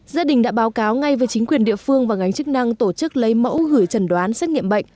gia đình đã báo cáo ngay về chính quyền địa phương và ngành chức năng tổ chức lấy mẫu gửi trần đoán xét nghiệm bệnh